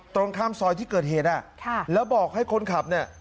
ตรงข้ามซอยที่เกิดเหตุแล้วบอกให้คนขับเนี่ย